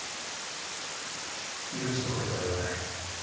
許してくれとは言わない。